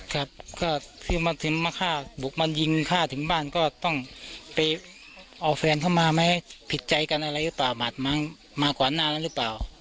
ครับก็คือมาฆ่าบุกมายิงฆ่าถึงบ้านก็ต้องไปเอาแฟนเข้ามาไหมผิดใจกันอะไรหรือเปล่าบาดมั้งมากว่าหน้านั้นหรือเปล่า